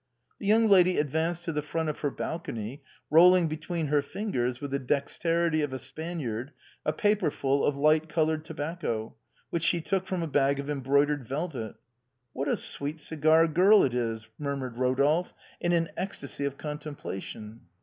The young lady advanced to the front of her balcony, rolling between her fingers, with the dexterity of a Spaniard, a paper full of light colored tobacco, which she took from a bag of embroidered velvet. " What a sweet cigar girl it is !" murmured Rodolphe, in an ecstasy of contemplation.